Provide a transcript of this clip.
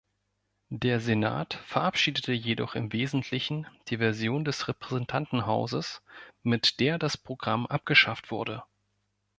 Der Senat verabschiedete jedoch im Wesentlichen die Version des Repräsentantenhauses, mit der das Programm abgeschafft wurde.